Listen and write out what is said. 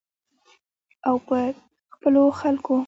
او په خپلو خلکو.